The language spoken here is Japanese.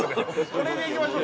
これでいきましょう